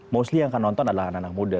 mostly yang akan nonton adalah anak anak muda